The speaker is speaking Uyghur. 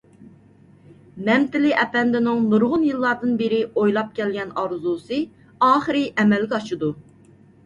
مەمتىلى ئەپەندىنىڭ نۇرغۇن يىللاردىن بېرى ئويلاپ كەلگەن ئارزۇسى ئاخىر ئەمەلگە ئاشىدۇ.